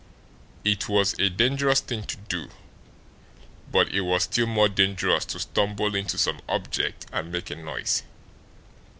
If was a dangerous thing to do, but it was still more dangerous to stumble into some object and make a noise.